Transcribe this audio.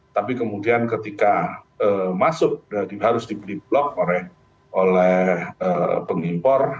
tapi kemudian ketika masuk harus dibeli blok oleh pengimpor